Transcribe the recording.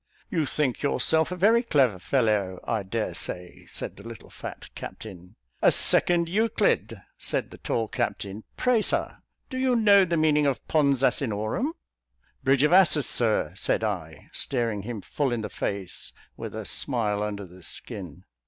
"You think yourself a very clever fellow, I dare say," said the little fat captain. "A second Euclid!" said the tall captain. "Pray, Sir, do you know the meaning of 'Pons Asinorum?'" "Bridge of Asses, Sir," said I, staring him full in the face, with a smile under the skin.